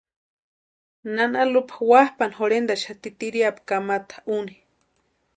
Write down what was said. Nana Lupa wapʼani jorhentaxati tiriapu kamatu úni.